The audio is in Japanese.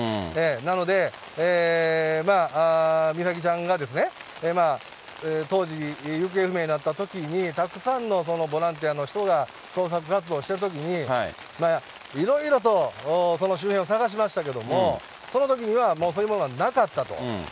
なので、美咲ちゃんがですね、当時、行方不明になったときに、たくさんのボランティアの人が捜索活動をしているときに、いろいろとその周辺を捜しましたけれども、そのときには、もうそういうものはなかったと。